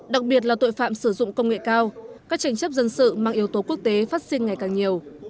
đặc biệt là tội phạm sử dụng công nghệ cao các tranh chấp dân sự mang yếu tố quốc tế phát sinh ngày càng nhiều